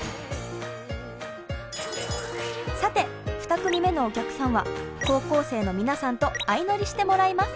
さて２組目のお客さんは高校生の皆さんと相乗りしてもらいます。